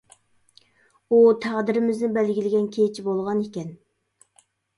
ئۇ تەقدىرىمىزنى بەلگىلىگەن كېچە بولغان ئىكەن.